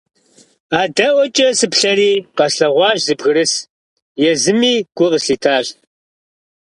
АдэӀуэкӀэ сыплъэри къэслъэгъуащ зы бгырыс, езыми гу къыслъитащ.